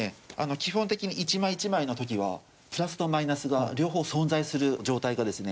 基本的に一枚一枚の時はプラスとマイナスが両方存在する状態がですねできています。